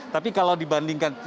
tapi kalau dibandingkan